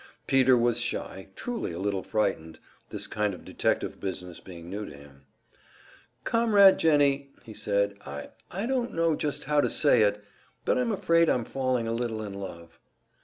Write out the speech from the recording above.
Peter was shy, truly a little frightened, this kind of detective business being new to him. "Comrade Jennie," he said, "I I don't know just how to say it, but I'm afraid I'm falling a little in love."